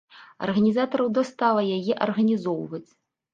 Арганізатараў дастала яе арганізоўваць.